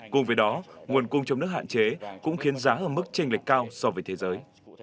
cùng với đó nguồn cung trong nước hạn chế cũng khiến giá ở mức tranh lệch cao so với thế giới